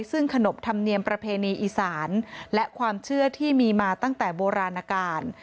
ซึ่งขนบธรรมเนียมประเพณีอีสานและความเชื่อที่มีมาตั้งแต่โบราณการ